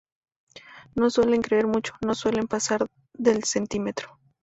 No suelen crecer mucho, no suelen pasar del centímetro.